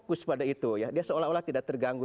jadi dia fokus pada itu ya dia seolah olah tidak terganggu